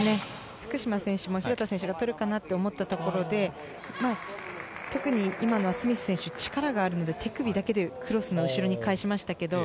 福島選手も廣田選手がとるかなと思ったところで特にスミス選手は力があるので手首だけでクロスの後ろに返しましたけれども。